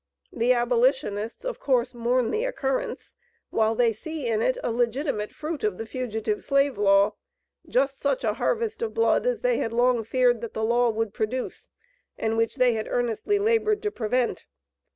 The abolitionists, of course, mourn the occurrence, while they see in it a legitimate fruit of the Fugitive Slave Law, just such a harvest of blood as they had long feared that the law would produce, and which they had earnestly labored to prevent.